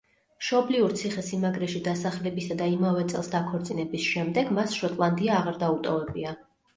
მშობლიურ ციხე-სიმაგრეში დასახლებისა და იმავე წელს დაქორწინების შემდეგ, მას შოტლანდია აღარ დაუტოვებია.